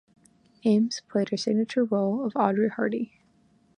Ames played her signature role of Audrey Hardy.